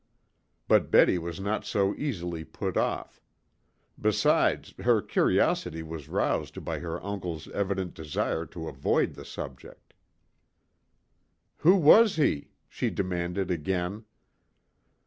But Betty was not so easily put off. Besides, her curiosity was roused by her uncle's evident desire to avoid the subject. "Who was he?" she demanded again.